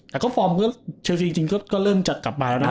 แต่ก็ฟอร์มเมื่อเชลซีจริงก็เริ่มจะกลับมาแล้วนะ